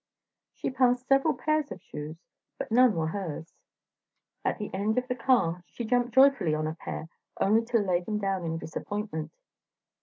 She passed several pairs of shoes, but none were hers. At the end of the car, she jumped joyfully on a pair, only to lay them down in disappointment.